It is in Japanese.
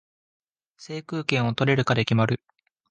制空権を取れるかで決まる